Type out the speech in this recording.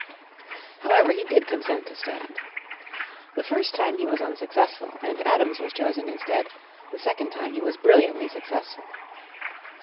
However, he did consent to stand. The first time he was unsuccessful, and Adams was chosen instead, the second time he was brilliantly successful.